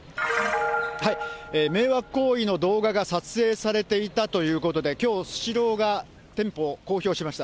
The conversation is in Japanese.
迷惑行為の動画が撮影されていたということで、きょう、スシローが店舗を公表しました。